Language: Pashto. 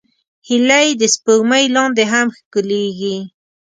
هیلۍ د سپوږمۍ لاندې هم ښکليږي